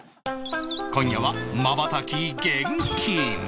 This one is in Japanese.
今夜はまばたき厳禁！